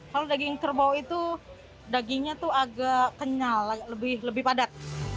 kalau daging kerbau itu dagingnya itu agak kenyal lebih padat